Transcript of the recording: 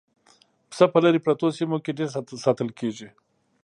پسه په لرې پرتو سیمو کې ډېر ساتل کېږي.